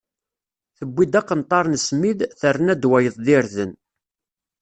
Tewwi-d aqenṭar n smid, terna-d wayeḍ d irden.